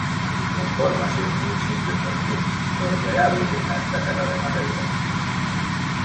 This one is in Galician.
Confórmanse cun simple fortín rodeado dunha estacada de madeira.